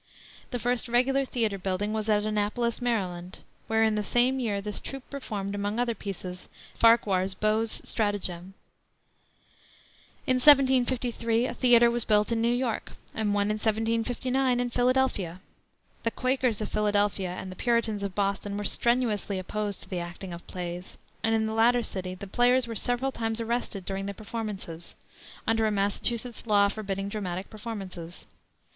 The first regular theater building was at Annapolis, Md., where in the same year this troupe performed, among other pieces, Farquhar's Beaux' Stratagem. In 1753 a theater was built in New York, and one in 1759 in Philadelphia. The Quakers of Philadelphia and the Puritans of Boston were strenuously opposed to the acting of plays, and in the latter city the players were several times arrested during the performances, under a Massachusetts law forbidding dramatic performances.